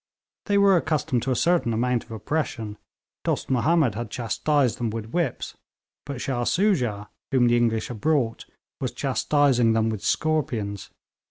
They were accustomed to a certain amount of oppression; Dost Mahomed had chastised them with whips, but Shah Soojah, whom the English had brought, was chastising them with scorpions.